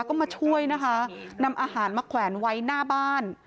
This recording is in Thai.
ก็มาช่วยนะคะนำอาหารมาแขวนไว้หน้าบ้าน